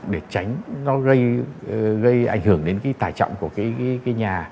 để tránh nó gây ảnh hưởng đến cái tài trọng của cái nhà